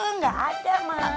nggak ada ma